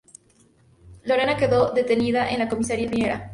Lorena quedó detenida en la comisaría primera.